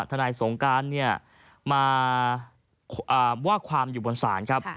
นายสงการเนี่ยมาว่าความอยู่บนศาลครับ